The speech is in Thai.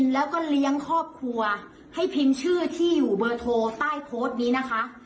แล้วก็เลี้ยงครอบครัวให้พิมพ์ชื่อที่อยู่เบอร์โทรใต้โพสต์นี้นะคะ